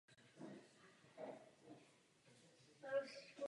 Kontrola zanedbatelných položek stojí často mnohem více než samotná položka.